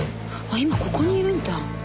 今ここにいるんだ。